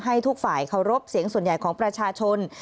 ให้ทุกฝ่ายเคารพเสียงส่วนใหญ่ของประชาชน